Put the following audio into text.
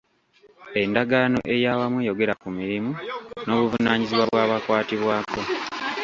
Endagaano ey'awamu eyogera ku mirimu n'obuvunaanyizibwa bw'abakwatibwako.